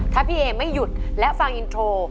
ถ้าพี่เอไม่หยุดและฟังอินโทร